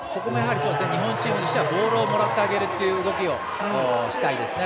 日本チームとしてはボールをもらってあげる動きをしたいですね。